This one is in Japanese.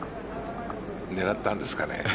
狙ったんですかね。